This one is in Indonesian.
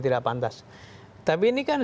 tidak pantas tapi ini kan